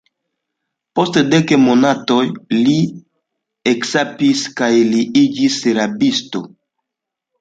Post dek monatoj li eskapis kaj li iĝis rabisto.